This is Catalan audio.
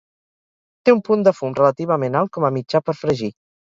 Té un punt de fum relativament alt com a mitjà per fregir.